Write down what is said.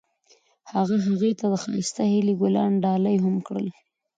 هغه هغې ته د ښایسته هیلې ګلان ډالۍ هم کړل.